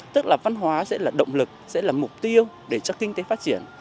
tức là văn hóa sẽ là động lực sẽ là mục tiêu để cho kinh tế phát triển